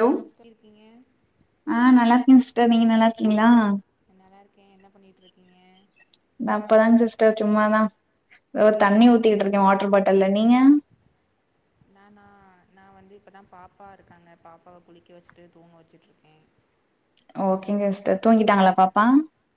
Hello sister எப்டி இருக்கீங்க ஆ நல்லாருக்கேன் சிஸ்டர் நீங்க நல்லாருக்கீங்களா நல்லாருக்கே என்ன பண்ணிட்டுருக்கீங்க நா இப்பதாங்க சிஸ்டர் சும்மாதா ஒரு தண்ணி ஊத்திட்ருக்க வாட்ரு பாட்டல்ல நீங்க நான்னா நா வந்து இப்பதா பாப்பா இருக்காங்க பாப்பாவ குளிக்க வெச்சிட்டு தூங்க வெச்சிட்டு இருக்க ஓகேங்க சிஸ்டர் தூங்கிட்டாங்களா பாப்பா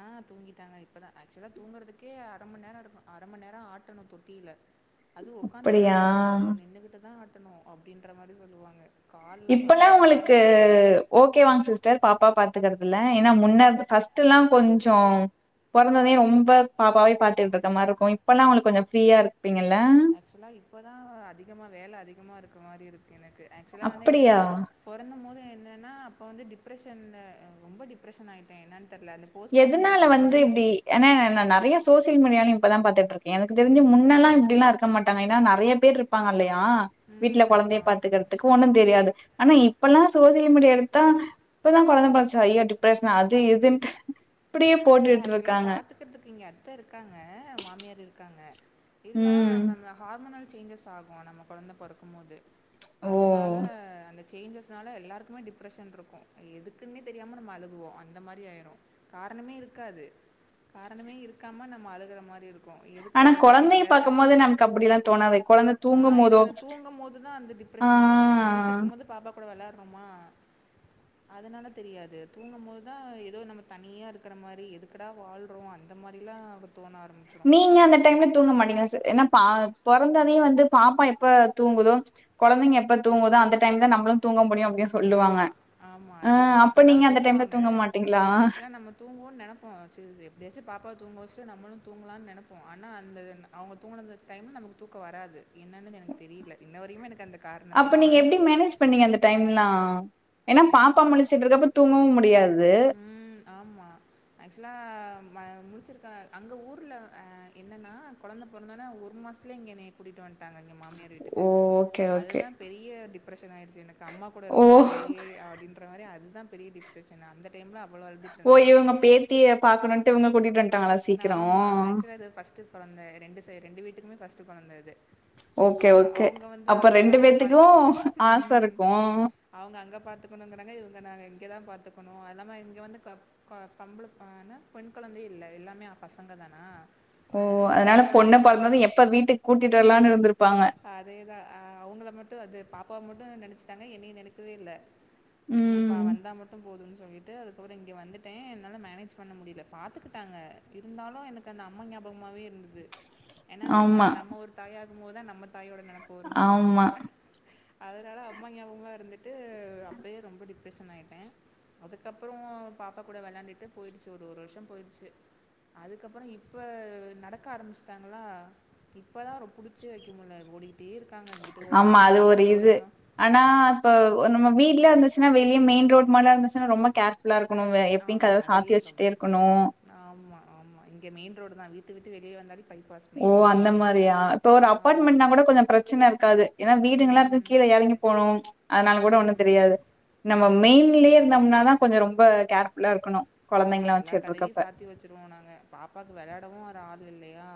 ஆ தூங்கிட்டாங்க இப்போ தா ஆக்சுவலாக தூங்கறதுக்கே அரை மணி நேர இருக்கும் அரை‌ மணி நேர ஆட்டன்னு தொட்டியில்ல [inaudible] அது ஒக்காந்துட்டுலா அப்படியா ஆட்டக்கூடாது நின்னுக் கிட்டுதா ஆட்டணும் அப்டின்ற மாறி சொல்லுவாங்க கால்லாம் இப்பலா வலி ஒங்களுக்கு எடுத்துரும் ஓகே வாங் சிஸ்டர் பாப்பா பாத்துக்கிறதுல ஏன்னா முன்ன ஃபர்ஸ்ட்லா கொஞ்ச பொறந்ததைம் ரொம்ப பாப்பாவே பாத்துகிட்டு இருக்க மாறி இருக்கும் இப்பெல்லா உங்களுக்கு கொஞ்சம் ஃப்ரீயா இருப்பீங்கல்ல ஆக்சுவலா இப்பதா அதிகமா வேல அதிகமா இருக்க மாறி இருக்கு எனக்கு ஆக்சுவலா வந்து என்னன்னா அப்படியா பொறந்தபோது என்னன்னா அப்போ வந்து டிப்ரெஷன் ரொம்ப டிப்ரஷன் ஆயிடும் த என்னன் தெர்ல அந்த போஸ்ட்மார்டம் எதனால டிப்ரஷன் வந்து சொன் இப்டி ஏன்னா நா நறைய சோசியல் மீடியாவியலயு இப்பதா பார்த்துட்ருக்க எனக்கு தெரிஞ்ச முன்னல்லா இப்டில்லா இருக்க மாட்டாங்க ஏன்னா நெறைய பேர் இருப் இருப்பாங்க இல்லையா வீட்ல ம் கொழந்தைய ஆமாம் பாத்துக்கற அதுக்கு ஒண்ணு தெரியாது ஆனா இப்பல்லா சோசியல் மீடியா எடுத்தா இப்பதா கொழந்த பொறந்துச்சா ஐயோ டிப்ரஷன் அது இதுன்ட்டு இப்டியே இல்ல ஆக்சுவலா போட்டுட்ருக்காங்க. பாத்துக்குறதுக்கு இங்க அத்த இருக்காங்க மாமியார் இருக்காங்க இருந்தாலு ம். நம்ம ஹார்மோனல் சேஞ்சஸ் ஆகும் நம்ம கொழந்த பொறக்கும் போது ஓ! அதனால அந்த சேஞ்சஸ்னால எல்லாருக்குமே டிப்ரஷன் இருக்கும் எதுக்குன்னே தெரியாம நம்ம அழுகுவோ அந்த மாறி ஆயிடும் காரணமே இருக்காது காரணமே இருக்காம நம்ம அழுகுற மாறி இருக்கும் க்கும் எதுக்கு ஆனா அழுகுறோனே கொழந்தைய தெரியாதா பாக்கும்போது நமக்கு அப்டிலாம் தோணாது. கொழந்த ஆ தூங்கும்போதோ எனக்கு அந்த தூங்கும் போது தா அந்த டிப் டிப்ரெஷன் வரும் ஆ. முழிச்சிருக்கும் போது பாப்பா கூட வெளாயாறோமா அதனால தெரியாது தூங்கும் போதுதா எதோ நம்ம தனியா இருக்குற மாறி றி எதுக்குடா வாழ்றோ அந்த மாறிலா தோன நீங்க அந்த டைம்ல தூங்க மாட்டங்களா சார் ஏன்னா பொறந்தொனே வந்து பாப்பா எப்ப தூங்குதோ கொழந்தைங்க எப்ப தூங்குதோ அந்த டைம் தா நம்மளும் தூங்க முடியும் அப்டியும் சொல்லுவாங்க ஆமாம் ஆமாம் அ அதே தான் அப்ப அப்படி நீங்க அந்த டைம்ல தூங்க மாட்டீங்களா தூங்குவோன்னு நினப்போ சரி எப்டியாச்சும் பாப்பாவ தூங்குவச்சிட்டு நம்மளும் தூங்கலான்னு நினப்போ ஆனா அந்த அவுங்க தூங்கினது டைம்ல நமக்கு தூக்க வராது என்னன்னு எனக்கு தெரியில இன்ன வரையுமே எனக்கு அந்த காரணம் அப்ப நீங்க தெரியல எப்டி மேனேஜ் பண்ணீங்க அந்த டைம்லா ஏன்னா ஏன் பாப்பா பா முழிச்சிட்டுருக்கப்ப தூங்கவும் முடியாது ம் ஆமா ஆக்சுவலா நா முழிச்சிருக்க அங்க ஊர்ல என்னன்னா கொழந்த பொறந்தோனா ஒரு மாசத்துல இங்க என்ன கூட்டிட்டு வன்ட்டாங்க இங்க மாமியார் வீட் டுக்கு ஓ ஓகே ஓகே அதுதா பெரிய டிப்ரஷன் ஆயிருச்சு எனக்கு அம்மா கூட ஓ இருக்க முடியலையே அப்டின்னு அப்ரவேர அதுதா பெரிய டிப்ரெஷன் அந்த டைம்ல அவ்வளோ ஓ அழுதுட்டுருந்தேன். இவுங்க பேத்திய பாக்கணுட்டு இவுங்க கூட்டிட்டு வன்ட்டாங்களா ஆமா ஆக்சுவலாக இது ஃபர்ஸ்ட் கொழந்த ரெண்டு சைடு ரெண்டு வீட்டுக்குமே ஃபர்ஸ்ட் கொழந்த இது ஓகே ஓகே அவுங்க வந்து அப்ப அங்க ரெண்டு அவுங்க பாத்து பேத்துக்கும் ஆச ம் இருக்கும் அவுங்க அங்க பாத்துக்குணுங்கிறாங்க இவுங்க நாங்க இங்கே தா பாத்துக்கணு அதெல்லாம இங்க வந்து கொ பொம்பள ஆ என்ன பெண் கொழந்தயே இல்ல எல்லாமே பசங்க தானா ஓ இங்க அதனால பெண் பொண்ண குழந்தைய பாத்து பொறந்தது எப்ப வீட்டுக்கு கூட்டிட்டு வரலான்னு இருந்திருப்பாங்க அதேதா அவுங்கள மட்டு அது பாப்பாவ மட்டு நெனச்சிட்டாங்க என்னைய நெனக்கவே இல்ல ம் இப்பா வந்தா மட்டு போதுன்னு சொல்லிட்டு அதுக்கப்புறோ இங்க வந்துட்டே என்னால மேனேஜ் பண்ண முடியல பாத்துக்கிட்டாங்க இருந்தாலு எனக்கு அந்த அம்ம ஞாபகமாவே இருந்தது ஏன்னா நம்ம ஆமா, நம்ம ஒரு தாயாகும் போதுதா நம்ம தாயோட நெனப்பு வரும்னு சொல்லுவாங்க ஆமா, அதனால அம்மா ஞாபகமா இருந் தது அப்பையே ரொம் டிப் ரஷன் ஆயிட்டே அதுக்கப்புறோ பாப்பா கூட விளாண்டுட்டு போயிருச்சி ஒரு ஒரு வருஷம் போயிருச்சு அதுக்கப்புறோ இப்ப நடக்க ஆரம்பமிச்சட்டாங்களா இப்பதா அத புடிச்சே வக்க முடியல ஓடிகிட்டே இருக்காங்க இங்கிட்டு ஆமா. ஓடுறாங்க அது அங்கிட்டு ஒரு இது. ஓடுறாங்க ஆனா இப்ப நம்ம வீட்ல இருந்துச்சுன்னா வெளிய மெயின் ரோட் மழ வந்துருச்சுனா ரொம்ப கேர் ஃபுல்லா இருக்கணுங்க எப்பயு கதவ சாத்தி வச்சிட்டே இருக்கணு ஆமா ஆமா இங்க மெயின் ரோடு தா வீட்டு விட்டு வெளியே வந்தாலே பைபாஸ் ஓ மெயின் ரோடு அந்த மாதிரியா இப்ப ஒரு ஆ அபார்ட்மெண்ட்னா கூட கொஞ்சோ பிரச்சன இருக்காது ஏன்னா வீடுங்கல்லா இருக்கும் ம் கீழ எறங்கி போகணு ம்ச் அதனால கூட ஒண்ணு ம் தெரியாது நம்ம ஆமாம் மெயின்லயே இருந்தோம்ன தா கொஞ்சோ ரொம்ப கேர் ஃபுல்லா இருக்கணு ஆமா எல்லா கதவையு சாத்தி வச்சருவோம் நாங்க பாப்பாக்கு வெளையாடவு ஒரு ஆள் இல்லயா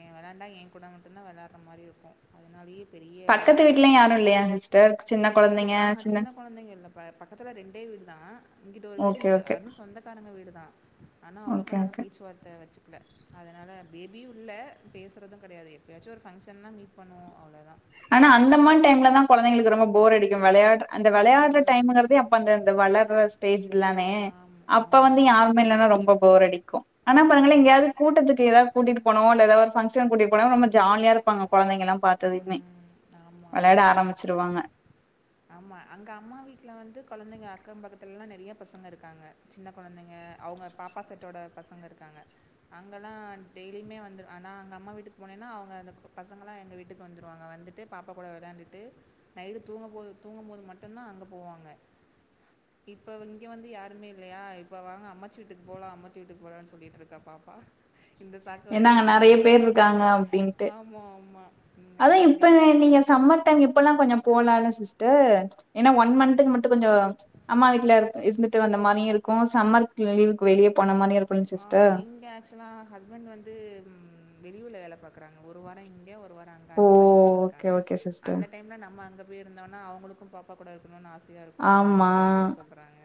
என் விளாண்டா என் கூடம் மட்டும்தா வெளயார்ர மாதிரி இருக்கு அதனாலயே பெரிய இதாயிடும் யாரு இல்லயா சிஸ்டர் சின்ன இங்கப்ப சின்ன கொழந்தைங்கல்ல பக்கத்துல ரெண்டே வீடு தா இங்கிட்டு ஒரு வீடு ஓகே, இங்கிட்டு ஓகே. அதும் சொந்த காருங்க வீடுதா ஆனா ஓகே, அவ்ளோக்கும் ஓகே. நாங்க பேச்சு வார்த்த வெச்சுக்கல அதனால பேபியு இல்ல பேசுறது கெடையாது எப்பயாச்சும் ஒரு ஃபங்க்ஷன்னா மீட் பண்ணுவோ அவ்ளோதா ஆனா அந்த மாதிரி டைம்ல தா கொழந்தைங்களுக்கு ரொம்ப போர் அடிக்கு விளையா அந்த விளையாடுற டைமுங்கறத அப்ப அந்தந்த வளர்ற ஸ்டேஜ்லதானே ஆமாம் அப்ப ஆமாம் வந்து யாருமே கண்டிப்பாக இல்லன்னா ரொம்ப போர் அடிக்கு ஆனா பாருங்களே ஆமாம் எங்கேயாவது கூட்டத்துக்கு ஏதாவது கூட்டிட்டு போனவோ இல்ல ஏதாவ ஒரு ஃபங்ஷன் கூட்டிட்டு போனவோ ரொம்ப ஜாலியா இருப்பாங்க கொழந்தை எல்லா பாத்ததுமே ஆமா வெளையாட ஆமா கண்டிப்பா ஆரம்பிச்சிருவாங்க ஆமா அங்க அம்மா வீட்ல வந்து கொழந்தைங்க அக்கம் பக்கத்துல எல்லாநெறையா பசங்க இருக்காங்க சின்ன கொழந்தைங்க அவங்க பாப்பா செட்டோட பசங்க இருக்காங்க அங்கெல்லா டெய்லியுமே வந்து ஆனா அங்க அம்மா வீட்டுக்கு போனேன்னா அவங்க அந்த பசங்கலா எங்க வீட்டுக்கு வந்துருவாங்க வந்துட்டு பாப்பா கூட விளையாடிட்டு நைடு தூங்கும் போது தூங்கும் போது மட்டும்தா அங்க போவாங்க இப்ப இங்கே வந்து யாருமே இல்லையா இப்ப வாங்க அம்மாச்சி வீட்டுக்கு போலா அம்மாச்சி வீட்டுக்கு போலாம்னு சொல்லிட்டு இருக்கா பாப்பா இந்த சாக்கு ஏன்னா வச்சுட்டு அங்க நானு நெறைய பேர் போலன்னு இருக்காங்க அப்டின்ட்டு ஆமா ஆமா ம் அங்க நெறைய பேர் இருக்காங்க ம் இப்பல்லா கொஞ்ச போலால சிஸ்டர் ஏன்னா ஒன் மன்துக்கு மட்டு கொஞ்ச அம்மா வீட்ல இரு இருந்துட்டு வந்த மாதிரியு இருக்கும் சம்மர் லீவுக்கு வெளிய போன மாதிரியு இருக்கும் ஆ இங்க ஆக்சுலா ஹஸ்பண்ட் வந்து ம் வெளியூர்ல வேல பாக்குறாங்க ஒரு வார இங்க ஒரு வார அங்க ஓ! அந்த மாதிரி போயிட்டு ஓகே, இருக்காங்க ஓகே சிஸ்டர். அந்த டைம்ல நம்ம அங்க போய் இருந்தோம்னா அவங்களுக்கும் ப அப்பா கூட இருக்கணும் ஆசயா இருக்கணும் ஆமா. அப்டின்ற மாதிரி சொல்றாங்க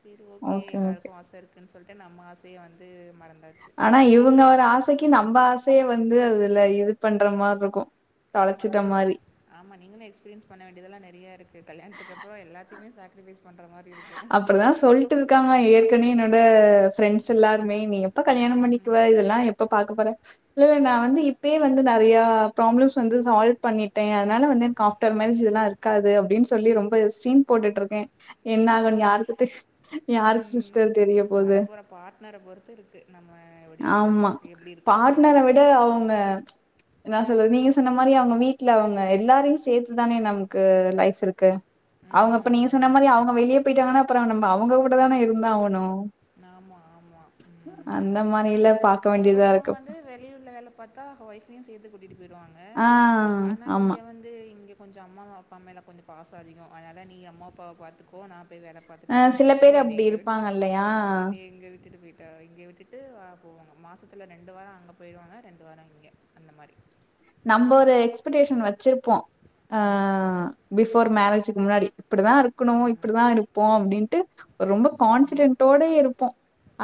சரி ஓகே எல்லாருக்கும் ஆச இருக்கு ன்னு சொல்லிட்டு நம்ம ஆசய வந்து மறந்தாச்சு ஆனா இவங்க ஒரு ஆசக்கு நம்ம ஆசய வந்து அதுல இது பண்ற மாதிரி இருக்கும் தொலைச்சிட்ட நம்ம மாரி. ஆம நீங்களு எக்ஸ்பீரியன்ஸ் பண்ண வேண்டியதெல்லா நெறைய இருக்கு கல்யாணத்துக்கு அப்பற எல்லாத்தையமே சாக்ரிஃபைஸ் பண்ற மாதிரி இருக்கும் [unintelligible] அப்டிதா சொல்லிட்டு இருக்காங்க ஏற்கன என்னோட ஃப்ரெண்ட்ஸ் எல்லாருமே நீ எப்போ கல்யாண பண்ணி க்குவ இதெல்லா எப்ப பாக்க போற இல்ல நா வந்து இப்பயே வந்து நெறையா ப்ராப்ளம்ஸ் வந்து சால்வ் பண்ணிட்ட அதனால வந்து எனக்கு ஆப்டர் மேரேஜ் இதெல்லா இருக்கு இருக்காது அப்டின்னு சொல்லி ரொம்ப சீன் போட்டுட்டு இருக்க என்ன ஆகு ம். யாருக்கு தெரியு யாருக்கு ம், சிஸ்டர் தெரிய போது வரப்போற பார்ட்னர பொறுத்து இருக்கு நம்ம எப்படின்ட்டு ஆமா எப்படி இருக்க போறோம் பார்ட்னர விட அப்படின்ட்டு அவங்க என்ன சொல்றது நீங்க சொன்ன மாதிரி அவங்க வீட்ல அவங்க எல்லாரையு சேர்த்துதான நமக்கு லைஃப் இருக்கு அவங்க அப்ப நீ ம் சொன்ன ஆமா மாதிரி அவங்க வெளிய போயிட்டாங்கன்னா அப்பற நம அவங்க கூட தான இருந்தா ஆகணும் ஆமா ஆமா அந்த ம் மாரில பாக்க வேண்டியதா ஒவ்வொருத்தவங்க இருக்கு வந்து வெளியூர்ல வேல பார்த்தா ஒய்ஃப்பையு சேத்து கூட்டிட்டு போய்டுவாங்க ஆ ஆனா இங்க ஆமா வந்து இங்க கொஞ்ச அம்மா அப்பா மேல எல்லா கொஞ்ச பாச அதிக அதனால நீ அம்மா அப்பாவ பார்த்துக்கும் கோ நா போய் வேல பார்த்தட்டு ஆ வரேன்னு சில சொல்லிட்டு பேர் என்னய அப்டி இங்க விட் இருப்பாங்க இல்லையா [unintelligible] இங்க விட்டுட்டு பேய்டு ட இங்க விட்டுட்டு அ போவாங்க மாசத்தில ரெண்டு வார அங்க போயிடுவாங்க ரெண்டு வார இங்க அந்த மாரி நம்ப ஒரு எக்ஸ்பெக்டேஷன் வச்சிருப்போ ஆ ம் பிஃபோர் மேரேஜிக்கு முன்னாடி இப்படிதா இருக்கணு ஆமா இப்டிதா இரு ப்போ அப்டின்ட்டு ரொம்ப ஆமா. கான்பிடென்டோடேயே இருப்போ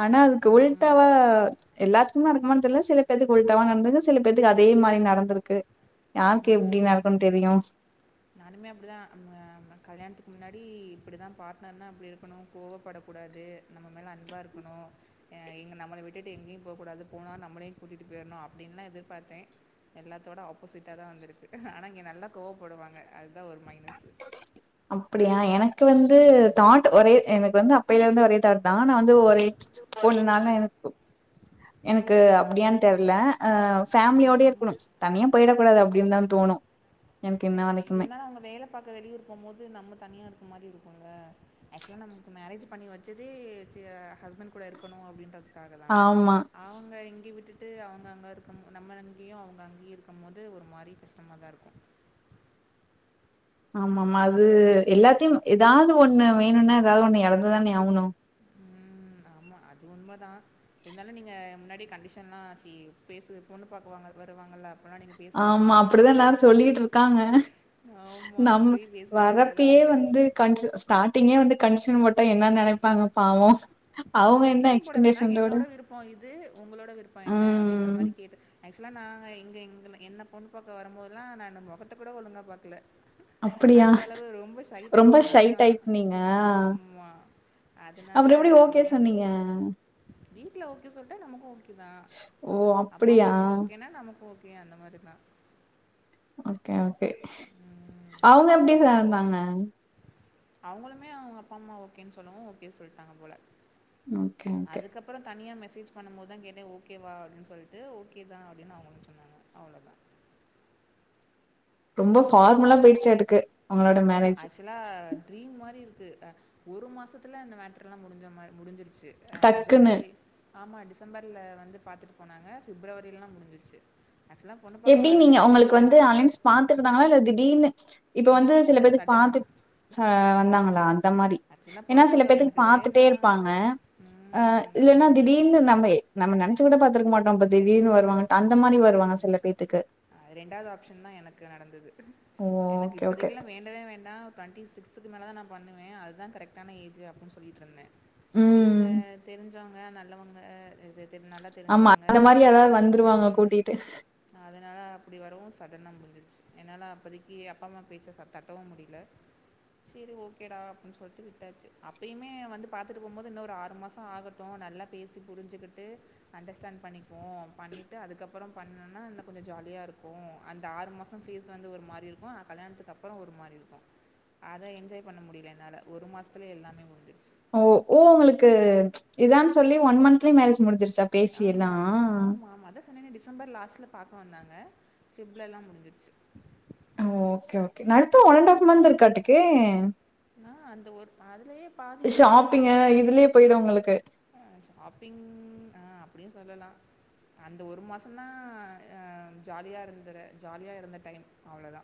ஆனா அதுக்கு உள் ம். டாவா எல்லாத்துக்குமே நடக்குமான் தெர்ல சில பேத்துக்கு உள்ட்டவா நடந்தங்க சில பேத்துக்கு அதே மாதி நடந் ருக்கு யாருக்கு எப்டி ம். நடக்குன் தெரியு நானுமே அப்டிதா நம்ம கல்யாணத்துக்கு முன்னாடி இப்டி தா பாட்னர்னா அப்டி இருக்கணு கோவப்படக்கூடாது நம்ம மேல அன்பா இருக்கணு க எங்க நம்மள விட்டு எங்கயு போ கூடாது போனா நம்ளயு கூட்டிட்டு போய்ரணு அப்டின்லா எதிர்பாத்த எல்லாத்தோட ஆப்போசிட்டா தா வந்திருக்கு ஆனா இங்க நல்லா கோவப்படுவாங்க அதுதா ஒரு மைனஸு அப்டியா எனக்கு வந்து ம். தாட் ஒரே எனக்கு வந்து அப்பயிலே இருந்தே ஒரே தாட் தானா வந்து ஒரே பொண்ணு நால்ல எனக் எனக்கு ம். ம். அப்டியான் தெர்ல அ ஃபேமிலியோடே ம். இருக்கணு தனியா போயிட கூடாது அப்டின்னு தா தோணு எனக்கு இன்ன வரைக்குமே மெயின்னா அவங்க வேல பாக்க வெளியூர் போம் போது நம்ம தனியா இருக்க மாதி இருக்குல ஆக்சுவலா நமக்கு மரேஜ் பண்ணி வச் சதே ச ஹஸ்பண்ட் கூட இருக்கணு அப்டின்றதுக்காக தா ஆமா அவங்க இங்க விட்டுட்டு அவங்க அங்க இருக்க நம்ம அங்கயு அவங்க அங்கயு இருக்கும் போது ஒரு மாரி கஷ்டமா தா இருக்கு ஆமா ஆமா அது எல்லாத்தையு ஏதாது ஒண்ணு வேணுனா ஏதாவது ஒண்ணு எழந்துதான ஆகணு ம் ஆமா அது உண்ம தா இருந்தாலு நீங்க முன்னாடி கண்டிஷன்லா ஆச்சி பேசு பொண்ணு பாக்க வாங்க வருவாங்கல்ல அப்பலா நீங்க ஆமா அப்டிதா எல்லாரு சொல்லிட்ருக்காங்க ஆமாம் நம்ம அப்பயே பேசி வச்சுக்கிட்டா தான் வரப்பயே உண்டு வந்து கண்டி ஸ்டார்டிங்கே வந்து கன்டிஷன் போட்டா என்ன நெனைப்பாங்க பாவோ இல்ல அவங்க என்ன கண்டிஷன் போட வேண்னா எக்ஸ்பெக்டேஷனோட என்னோட விருப்போ இது உங்களோட விருப்போ என்ன அப்டின்ற ம் மாரி கேட்டு ஆக்சுவலா நாங்க இங்க எங்க என்ன பொண்ணு பாக்க வரும்போத்லா நானு மொகத்த கூட ஒழுங்கா பாக்கல அப்படியா அந்த அளவு ரொம்ப சை ரொம்ப டைப்பு ஷை நானு டைப் நீங்க ஆமா அதனால அப்புறம் எப்படி ஓகே சொன்னீங்க வீட்ல ஓகே சொல்ட்டா நமக்கு ஓக் கே தா ஓ! அப்பா அப்படியா? அம்மாக்கு ஓகேனா நமக்கு ஓகே அந்த மாரி தா ஓகே ஓகே உம், அவுங்க எப்டி கா இருந்தாங்க அவுங்களுமே அவுங்க அப்பா அம்மா ஓகேன்னு சொல்லவு ஓகே சொல்டாங்க போல ஓகே ஓகே அப்புறோ தனியா மெசேஜ் பண்ணும்போதுதா கேட்டே ஓகேவா அப்டின் சொல்லிட்டு ஓகே தா அப்டின்னு அவுங்ளு சொன்னாங்க அவ்ளோதா ரொம்ப ஃபார்முலா பேய்டிச்சாட்டுக்கு ஆமா அச் சுவலா ட்ரீம் மாரி இருக்கு அ ஒரு மாசத்தில இந்த மெட்ரெலா முடிஞ்ச மா முடிஞ்சிருச்சி அ டக்குன்னு. ஜனவரி ஆமா டிசம்பர்ல வந்து பாத்துட்டு போனாங்க ஃப்ரவரிலலா முடிஞ்சிரிச்சி அக்சுவலா எப்டி நீங்க உங்களுக்கு வந்து அலைன்ஸ் பாத்துட்டு இருந்தாங்ளா இல்ல திடீர்னு இப்ப வந்து சில திடீர்னு பேத்துக்கு சடனா, பாத்து அ வந்தாங்களா சடனா. அந்த மாரி ஆக்சுவலா ஏனா பொண்ணு சில பாக்க பேத்துக்கு எனக்கு பாத்துட்டே வேண்டாம். இருப்பாங்க ஆ ம். இல்லன்னா ஆமா. திடீர்னு நம்மயே நம்ம நெனச்சி கூட பாத்துருக்க மாட்டோ அபோ திடீர்னு வருவாங்கன்டு அந்த மாரி வருவாங்க சிலர் அ ரெண்டாவது ஆப்ஷன் தா எனக்கு நடந்துது ஓ! எனக்கு ஓகே, ஓகே. இப்போதிக்குலா வேண் டவே வேண்டா டுவெண்டி சிக்ஸ்க்கு மேல தா நா பண்ணுவே அதுதா கரெக்டான ஏஜி அப்டின் சொல்லிட்ருந்தே இவுங்க ம். தெரிஞ்சவுங்க நல்லவங்க இது நல்ல ஆமா அந்த மாரி யாராவது வந்துருவாங்க கூட்டிட்டு அதனால அப்டி வரவு சடனா முடிஞ்சிருச்சு என்னால அப்போதக்கி அப்பா அம்மா பேச்ச தட்டவு முடில செரி ஓகேடா அப்டின் சொல்ட்டு விட்டாச்சு அப்பயுமே வந்து பாத்துட்டு போம்போது இன்னொரு ஆறு மாச ஆக ட்டு நல்லா பேசி புரிஞ்சிக்கிட்டு அண்டர்ஸ்டாண்ட் பண்ணிக்குவோ பண்ணிட்டு அதுக்கப்புறோ பண்ணுனா இன்னு கொஞ்ச ஜாலியாருக்கு அந்த ஆறு மாசம் ஃபேஸ் வந்து ஒரு மாரி இருக்கு அ கல்யாணத்துக்குக்கப் றோ ஒரு மாரி இருக்கு அத என்ஜாய் பண்ண முடில என்னால ஒரு மாசத்துல எல்லாமே முடிஞ்சிருச்சி ஓ ஓ ஒங்களுக்கு இதான் சொல்லி ஒன் மன்ந்த்லயே மேரேஜ் முஞ்டிசிருச்சா ஆமா ஆமாமா அதா சொன்னனே டிசம்பர் லாஸ்ட்ல பாக்க வந்தாங்க பிப்லலா முடிஞ்சிருச்சு ஓகே ஓகே நடத்து ஒன் அண்ட் ஹாஃப் மன்ந்த் இருக்காட்டுக்கே நா அந்த ஒரு அதுலயே பா ஷாப்பிங்கு இதுலே போயிடு உங்களுக்கு ஆ ஷாப்பிங் ஆ அப்டியு சொல்லலா அந்த ஒரு மாச தா ஆ ஜாலியா இருந்தது ஜாலியா இருந்த டைம் அவ்ளதா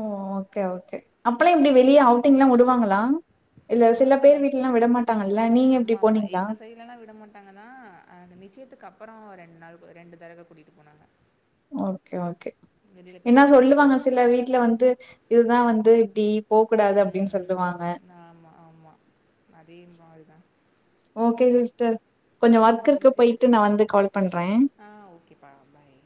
ஓ ஓகே ஓகே அப்பெல்லா எப்டி வெளியே அவுட்டிங்லா விடுவாங்களா இல்ல ஆ சில பேர் வீட்லல்லா விடமாட்டாங்கல்ல நீங்க எப்டி போனீங்ளா இல்லனா விட மாட்டாங்க தா அந்த நிச்சயத்துக்கு அப்றோ ரெண்டு நாள் ரெண்டு தடவ கூட்டிட்டு போனாங்க ஓகே ஓகே வெளியில் போய் ஏனா சாப்பிட்டுட்டு சொல்லுவாங்க வந்தோம் சில வீட்டுல வந்து இதுதான் வந்து இப்டி போக்கூடாது அப்டின்னு சொல்லுவாங்க ஆமா ஆமா அதே மாரி தா ஓகே சிஸ்டர் கொஞ்சோ ஒர்க் ம் இருக்கு சரி போயிட்டு நா வந்து கால் பண்றே ஓகே பா பாய்